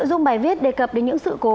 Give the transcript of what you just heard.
nội dung bài viết đề cập đến những sự cố